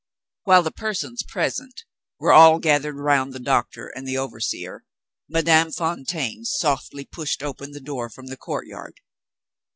While the persons present were all gathered round the doctor and the overseer, Madame Fontaine softly pushed open the door from the courtyard.